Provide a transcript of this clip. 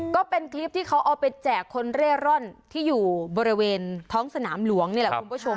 ก็เป็นคลิปที่เขาเอาไปแจกคนเร่ร่อนที่อยู่บริเวณท้องสนามหลวงนี่แหละคุณผู้ชม